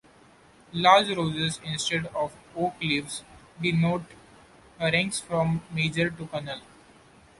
Large roses, instead of oak leaves, denote ranks from major to colonel.